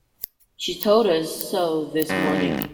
She told us so this morning.